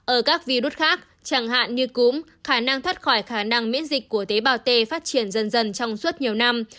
ở các virus khác chẳng hạn như cúm khả năng thoát khỏi khả năng miễn dịch của tế bào t phát triển dần dần trong suốt nhiều năm